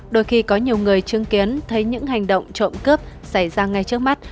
đôi khi có nhiều người chứng kiến thấy những hành động trộm cướp xảy ra ngay trước mắt